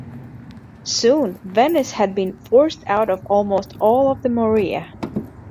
Soon Venice had been forced out of almost all of the Morea.